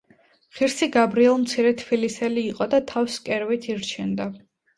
ღირსი გაბრიელ მცირე თბილისელი იყო და თავს კერვით ირჩენდა.